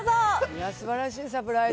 すばらしいサプライズ。